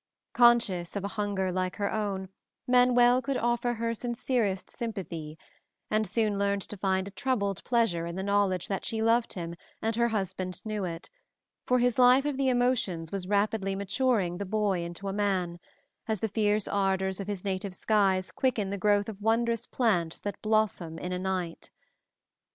Conscious of a hunger like her own, Manuel could offer her sincerest sympathy, and soon learned to find a troubled pleasure in the knowledge that she loved him and her husband knew it, for his life of the emotions was rapidly maturing the boy into the man, as the fierce ardors of his native skies quicken the growth of wondrous plants that blossom in a night.